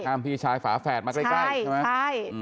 พี่ชายฝาแฝดมาใกล้ใช่ไหมใช่